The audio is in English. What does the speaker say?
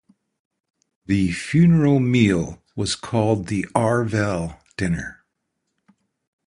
The funeral meal was called the Arvel-dinner.